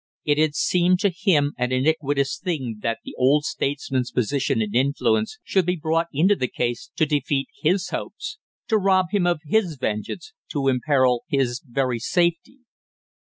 It had seemed to him an iniquitous thing that the old statesman's position and influence should be brought into the case to defeat his hopes, to rob him of his vengeance, to imperil his very safety.